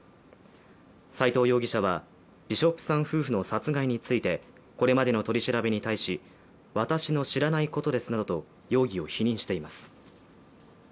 斉藤容疑者はビショップさん夫婦の殺害についてこれまでの取り調べに対し、私の知らないことですなどと容疑を否認しています。